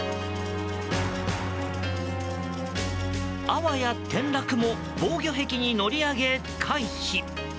あわや転落も防御壁に乗り上げ回避。